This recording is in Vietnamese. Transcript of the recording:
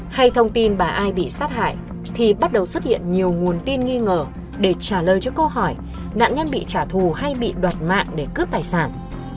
hay thông tin bà ai bị sát hại thì bắt đầu xuất hiện nhiều nguồn tin nghi ngờ để trả lời cho câu hỏi nạn nhân bị trả thù hay bị đoạt mạng để cướp tài sản